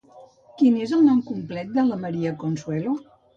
Quin és el nom complet de la Maria Consuelo?